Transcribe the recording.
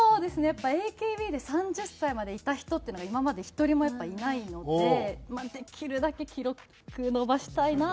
やっぱＡＫＢで３０歳までいた人っていうのが今まで１人もやっぱいないのでできるだけ記録伸ばしたいなとは。